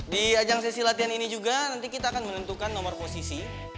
di ajang sesi latihan ini juga nanti kita akan menentukan nomor posisi